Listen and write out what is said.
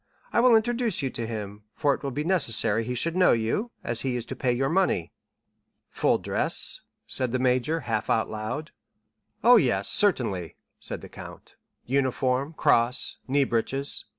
I will introduce you to him, for it will be necessary he should know you, as he is to pay your money." "Full dress?" said the major, half aloud. "Oh, yes, certainly," said the count; "uniform, cross, knee breeches."